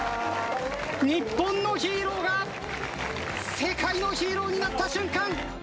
日本のヒーローが世界のヒーローになった瞬間！